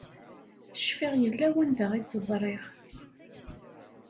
Cfiɣ yella wanda i tt-ẓriɣ.